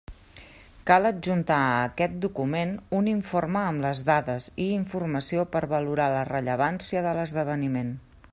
Cal adjuntar a aquest document un informe amb les dades i informació per valorar la rellevància de l'esdeveniment.